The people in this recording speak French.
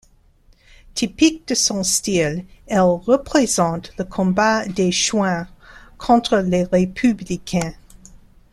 Typique de son style, elle représente le combat des chouans contre les républicains.